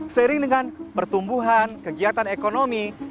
seiring dengan pertumbuhan kegiatan ekonomi